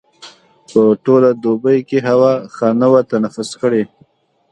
په ټوله دوبي کې ښه هوا نه وه تنفس کړې.